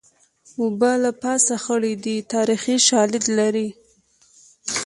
اوبه له پاسه خړې دي تاریخي شالید لري